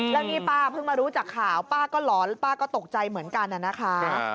แล้วนี่ป้าเพิ่งมารู้จากข่าวป้าก็หลอนป้าก็ตกใจเหมือนกันนะคะ